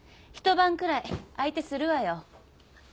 一晩くらい相手するわよ。